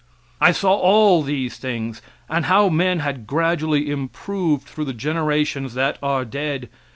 I saw all these things, and how men had gradually improved through the generations that are dead.